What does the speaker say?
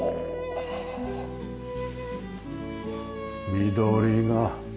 緑が。